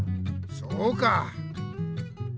そうかぁ。